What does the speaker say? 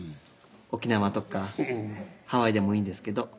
沖縄とかハワイでもいいんですけど。